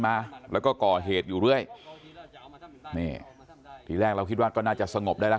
มาแล้วก็ก่อเหตุอยู่เรื่อยนี่ทีแรกเราคิดว่าก็น่าจะสงบได้แล้ว